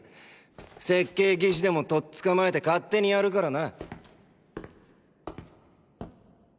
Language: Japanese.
設計技師でもとっ捕まえて勝手にやるからな。